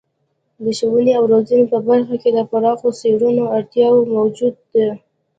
د ښوونې او روزنې په برخه کې د پراخو څیړنو اړتیا موجوده ده.